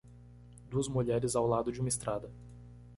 Duas mulheres ao lado de uma estrada.